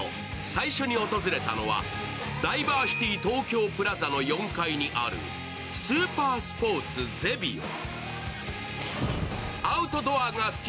最初に訪れたのはダイバーシティ東京プラザの４階にあるスーパースポーツゼビオ。